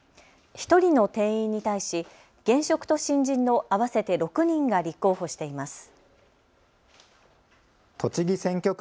１人の定員に対し現職と新人の合わせて６人が立候補しています。